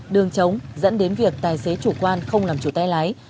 đường chống dẫn đến việc tài xế chủ quan không làm chủ tay lái